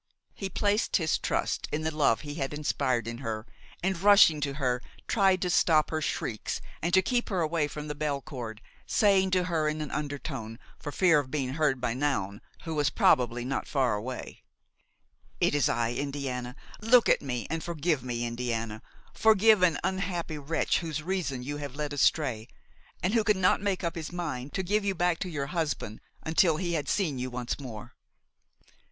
He place his trust in the love he had inspired in her, and, rushing to her, tried to stop her shrieks and to keep her away from the bell cord, saying to her in an undertone, for fear of being heard by Noun, who was probably not far away: "It is I, Indiana; look at me and forgive me! Indiana! forgive an unhappy wretch whose reason you have led astray, and who could not make up his mind to give you back to your husband until he had seen you once more."